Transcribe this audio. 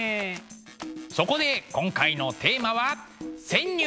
そこで今回のテーマは「潜入！